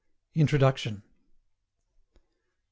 INTRODUCTION 1.